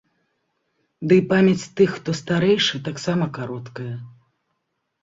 Дый памяць тых, хто старэйшы, таксама кароткая.